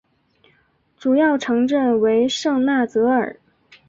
主要城镇为圣纳泽尔。